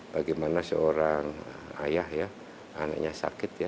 bagaimana seorang ayah ya anaknya sakit ya